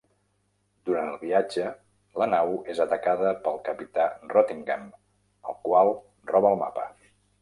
Durant el viatge, la nau és atacada pel capità Rottingham, el qual roba el mapa.